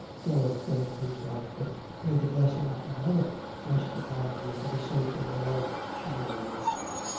"No," exclaimed his wife, "but may the blessin' of her mother rest upon you for the sake of the love she bore you!"